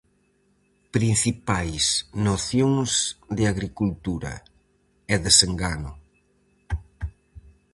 "Principais nocións de agricultura", e "Desengano".